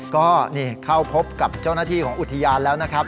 ก็เข้าพบกับเจ้าหน้าที่ของอุทยานแล้ว